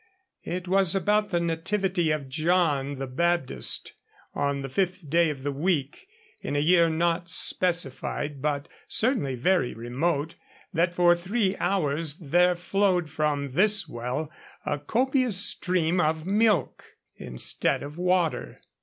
It was about the nativity of John the Baptist, on the fifth day of the week, in a year not specified, but certainly very remote, that for three hours there flowed from this well a copious stream of milk instead of water.